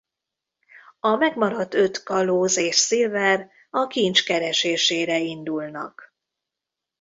A megmaradt öt kalóz és Silver a kincs keresésére indulnak.